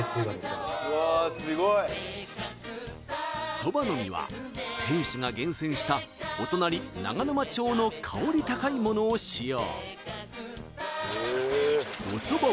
そばの実は店主が厳選したお隣長沼町の香り高いものを使用